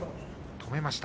止めました。